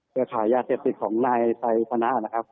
เจอขายยาเศษติศของนายไซฟณะนะครับ